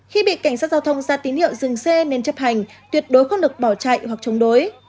khi bị cảnh sát giao thông ra tín hiệu dừng xe nên chấp hành tuyệt đối không được bỏ chạy hoặc chống đối